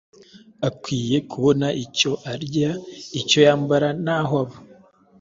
Akwiye kubona icyo arya, icyo yambara n’aho aba.